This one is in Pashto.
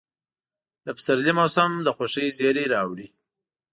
د پسرلي موسم د خوښۍ زېرى راوړي.